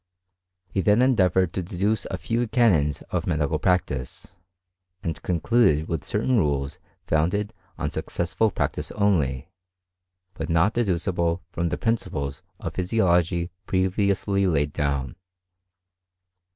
He then endeavoured to deduce a few canons of medical practice, and concluded with certain rules founded on successful practice only, but not dedu cible from the principles of physiology previously laid down.